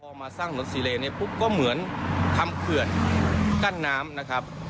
พอมาสร้างถนนซีเลเนี่ยปุ๊บก็เหมือนทำเขื่อนกั้นน้ำนะครับ